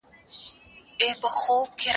دا جواب ورکول له هغه مهم دي!